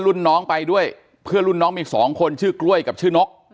รุ่นน้องไปด้วยเพื่อนรุ่นน้องมีสองคนชื่อกล้วยกับชื่อนก